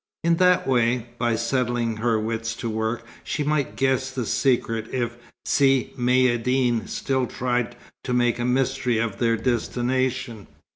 In that way, by setting her wits to work, she might guess the secret if Si Maïeddine still tried to make a mystery of their destination.